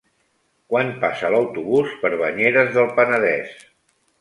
Quan passa l'autobús per Banyeres del Penedès?